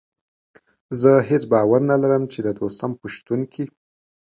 زه هېڅ باور نه لرم چې د دوستم په شتون کې.